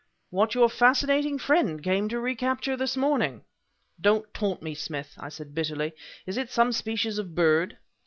"What your fascinating friend came to recapture this morning." "Don't taunt me, Smith!" I said bitterly. "Is it some species of bird?"